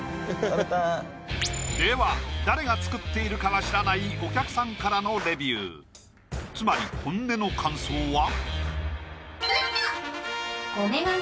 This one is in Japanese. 食べたいでは誰が作っているかは知らないお客さんからのレビューつまり本音の感想は？